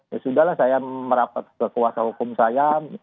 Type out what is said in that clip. ya sudah lah saya merapat ke kuasa hukum saya